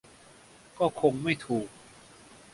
ก็คงไม่ถูก